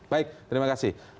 baik terima kasih